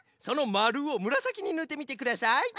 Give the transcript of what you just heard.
そのまるをむらさきにぬってみてください。